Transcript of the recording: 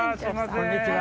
こんにちは。